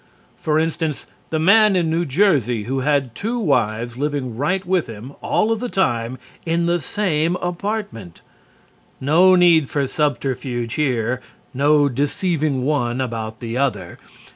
For instance, the man in New Jersey who had two wives living right with him all of the time in the same apartment. No need for subterfuge here, no deceiving one about the other.